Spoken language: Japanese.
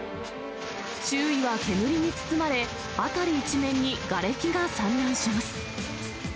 周囲は煙に包まれ、辺り一面にがれきが散乱します。